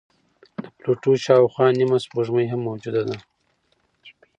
د پلوټو شاوخوا نیمه سپوږمۍ هم موجوده ده.